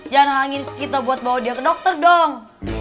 jangan kita buat bawa dia ke dokter dong